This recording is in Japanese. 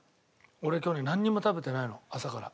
俺今日ねなんにも食べてないの朝から。